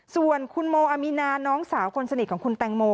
ส่วนคุณโมอามีนาน้องสาวคนสนิทของคุณแตงโม